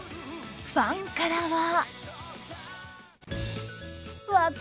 ファンからは。